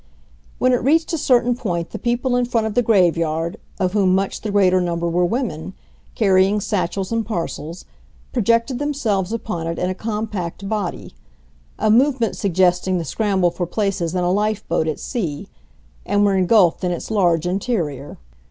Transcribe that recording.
When it reached a certain point the people in front of the grave yard, of whom much the greater number were women, carrying satchels and parcels, projected themselves upon it in a compact body—a movement suggesting the scramble for places in a life boat at sea—and were engulfed in its large interior.